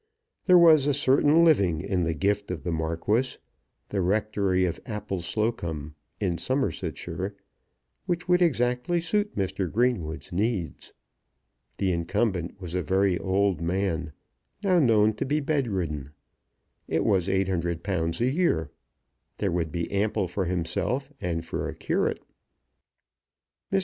There was a certain living in the gift of the Marquis, the Rectory of Appleslocombe in Somersetshire, which would exactly suit Mr. Greenwood's needs. The incumbent was a very old man, now known to be bed ridden. It was £800 a year. There would be ample for himself and for a curate. Mr.